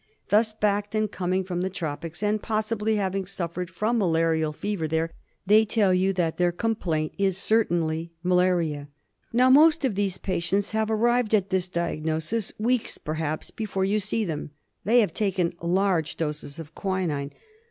Thus backed, and coming from the tropics, and possibly having suffered from malarial fever there, they tell you that their complaint is certainly malaria. Now most of these patients have arrived at this diagnosis weeks perhaps before you see them. They have taken large doses of quinine.